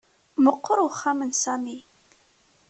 Meqqer uxxam n Sami